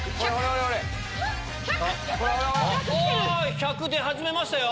１００出始めましたよ！